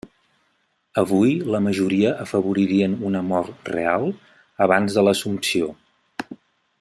Avui la majoria afavoririen una mort real abans de l'Assumpció.